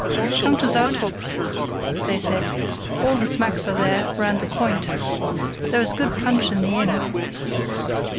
"Come to Satrup," they said; "all the smacks are there, round the point. There is good punch in the inn."